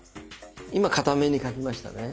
今片面に書きましたね。